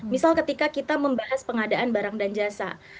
misal ketika kita membahas pengadaan barang dan jasa